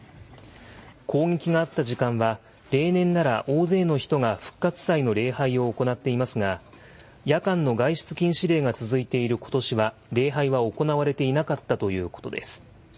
攻撃があった時間は、例年なら大勢の人が復活祭の礼拝を行っていますが、夜間の外出禁止令が続いていることしは、礼拝は行われていなかったということです。